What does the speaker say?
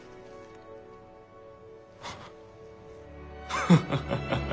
ハハハハハハハ。